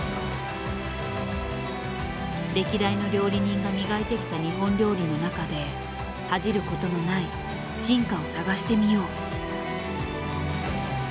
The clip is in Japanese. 歴代の料理人が磨いてきた日本料理の中で恥じる事のない進化を探してみよう。